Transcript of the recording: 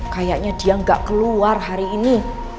kayaknya dia nggak keluar hari ini